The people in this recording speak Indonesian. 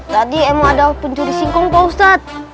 tadi emang ada pencuri singkong pak ustadz